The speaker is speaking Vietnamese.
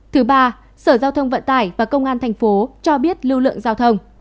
thứ ba sở giao thông vận tải và công an tp cho biết lưu lượng giao thông